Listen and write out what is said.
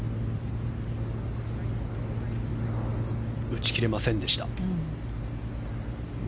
打ち切れませんでした。